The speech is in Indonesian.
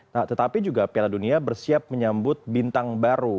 nah tetapi juga piala dunia bersiap menyambut bintang baru